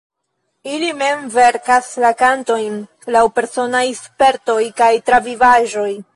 Ili mem verkas la kantojn, laŭ personaj spertoj kaj travivaĵoj.